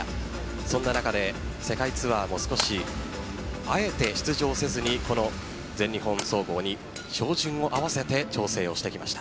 その中で世界ツアーも少しあえて出場せずにこの全日本総合に照準を合わせて調整してきました。